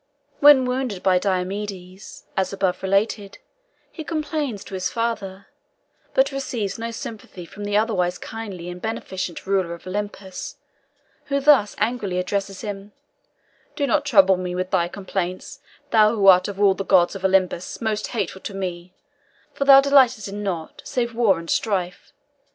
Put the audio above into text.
When wounded by Diomedes, as above related, he complains to his father, but receives no sympathy from the otherwise kindly and beneficent ruler of Olympus, who thus angrily addresses him: "Do not trouble me with thy complaints, thou who art of all the gods of Olympus most hateful to me, for thou delightest in nought save war and strife.